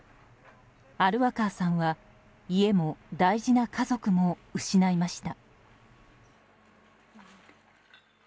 アルワカーさんは家も大事な家族も失いました。